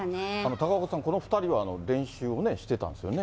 高岡さん、この２人は、練習をね、してたんですよね。